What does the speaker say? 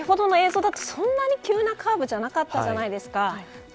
先ほどの映像だとそんなに急なカーブじゃなかったじゃないですか。